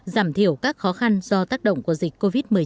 giảm thiểu các khó khăn do tác động của dịch covid một mươi chín